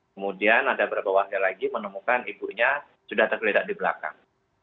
kemudian ada beberapa warga lagi menemukan ibunya sudah tergeletak di belakang